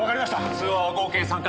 通話は合計３回。